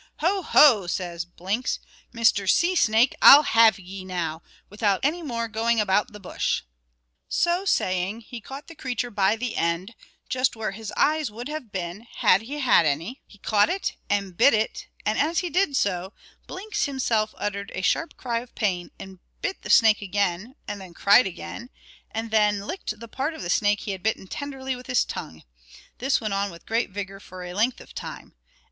"Ho! ho!" says Blinks, "Mr. Sea snake, I'll have ye now, without any more going about the bush." So saying, he caught the creature by the end, just where his eyes would have been had he had any, he caught it, and bit it; and as he did so, Blinks himself uttered a sharp cry of pain, and bit the snake again, and then cried again, and licked the part of the snake he had bitten tenderly with his tongue; this went on with great vigour for a length of time.